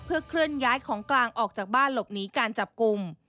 เพื่อเคลื่อนย้ายของกลางออกจากบ้านหลบหนีการจับกลุ่ม